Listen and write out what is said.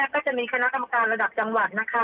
ก็จะมีคณะคำการระดับจังหวัด